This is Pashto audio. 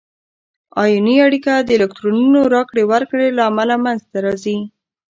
آیوني اړیکه د الکترونونو راکړې ورکړې له امله منځ ته راځي.